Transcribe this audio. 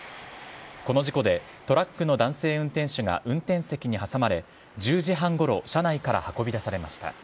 この事故でトラックの男性運転手が運転席に挟まれ１０時半ごろ車内から運び出されました。